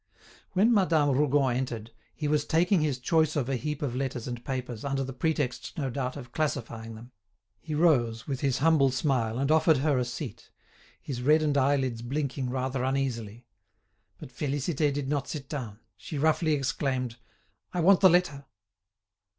When Madame Rougon entered, he was taking his choice of a heap of letters and papers, under the pretext, no doubt, of classifying them. He rose, with his humble smile, and offered her a seat; his reddened eyelids blinking rather uneasily. But Félicité did not sit down; she roughly exclaimed: "I want the letter."